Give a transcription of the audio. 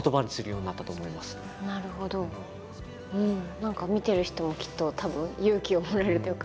何か見てる人もきっとたぶん勇気をもらえるというか。